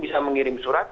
bisa mengirim surat